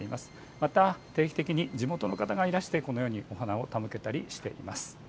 また定期的に地元の方々がいらしてこのようにお花を手向けたりしています。